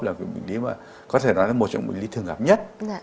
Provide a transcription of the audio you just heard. là bệnh lý mà có thể nói là một trong bệnh lý thường gặp nhất